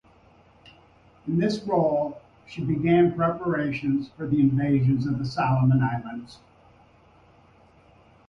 In this role, she began preparations for the invasion of the Solomon Islands.